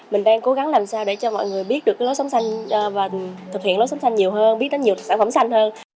mình đang cố gắng làm sao để cho mọi người biết được lối sống xanh và thực hiện lối sống xanh nhiều hơn biết đến nhiều sản phẩm xanh hơn